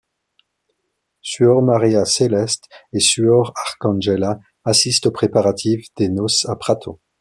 Suor Maria Celeste et Suor Arcangela assistent aux préparatifs des noces à Prato.